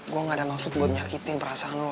gue gak ada maksud buat nyakitin perasaan lo